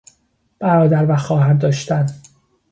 برادر و خواهر داشتن